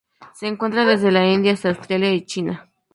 Se encuentra desde la India hasta Australia y China.